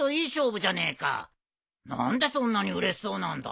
何でそんなにうれしそうなんだ？